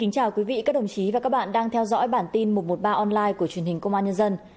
chào mừng quý vị đến với bản tin một trăm một mươi ba online của truyền hình công an nhân dân